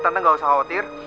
tante gak usah khawatir